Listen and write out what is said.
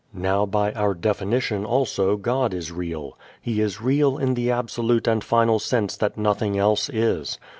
Now, by our definition also God is real. He is real in the absolute and final sense that nothing else is.